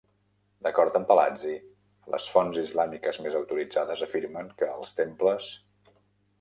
D'acord amb Palazzi, "Les fonts islàmiques més autoritzades afirmen que els temples...".